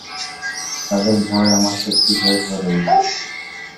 তাদের ভয় আমার শক্তি ভেবে বড় হয়েছি।